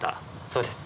そうです。